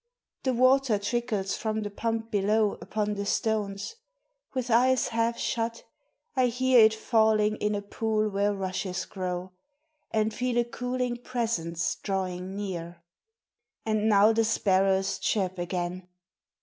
The water trickles from the pump below Upon the stones. With eyes half shut, I hear It falling in a pool where rushes grow, And feel a cooling presence drawing near. And now the sparrows chirp again.